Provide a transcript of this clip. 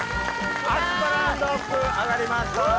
アスパランドッグ揚がりました。